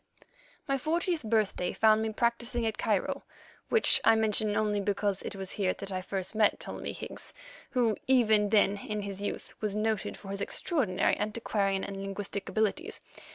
My fortieth birthday found me practising at Cairo, which I mention only because it was here that first I met Ptolemy Higgs, who, even then in his youth, was noted for his extraordinary antiquarian and linguistic abilities.